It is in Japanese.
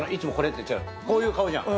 こういう顔じゃん。